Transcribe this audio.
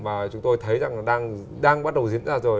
mà chúng tôi thấy rằng đang bắt đầu diễn ra rồi